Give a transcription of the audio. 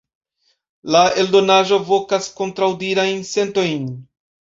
La eldonaĵo vokas kontraŭdirajn sentojn.